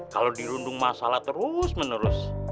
kalau dirundung masalah terus menerus